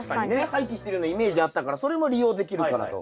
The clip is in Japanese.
廃棄してるようなイメージあったからそれも利用できるかなと。